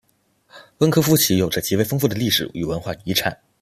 温科夫齐有着极为丰富的历史与文化遗产。